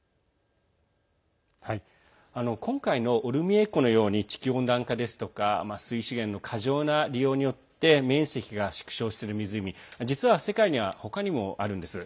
今回のオルミエ湖のように地球温暖化ですとか水資源の過剰な利用によって面積が縮小している湖実は世界には他にもあるんです。